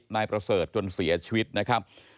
นายประเสริฐจนเสียชีวิตนะครับ